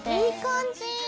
いい感じ！